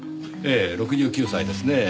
ええ６９歳ですねぇ。